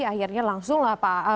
akhirnya langsung lah pak